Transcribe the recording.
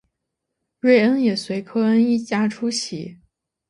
瑞恩也随科恩一家出席。